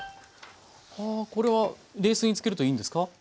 これは冷水につけるといいんですか？